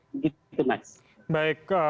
begitu mas baik